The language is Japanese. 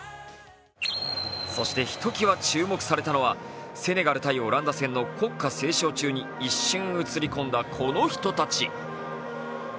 そして、ひときわ注目されたのは、セネガル×オランダ戦の国歌斉唱中に一瞬、映り込んだこの人たち。